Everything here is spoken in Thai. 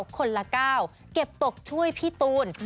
คนละ๙เก็บตกช่วยพี่ตูน